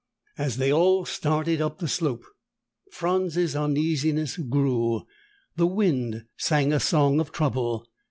As they all started up the slope, Franz's uneasiness grew. The wind sang a song of trouble.